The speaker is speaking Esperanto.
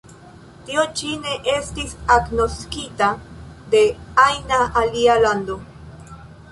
Tio ĉi ne estis agnoskita de ajna alia lando.